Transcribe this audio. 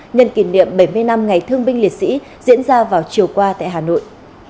nhân kỷ niệm bảy mươi năm ngày thương binh liệt sĩ diễn ra vào chiều qua tại hà nội